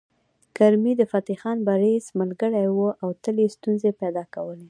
کرمي د فتح خان بړيڅ ملګری و او تل یې ستونزې پيدا کولې